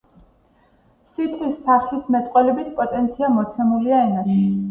სიტყვის სახისმეტყველებითი პოტენცია მოცემულია ენაში,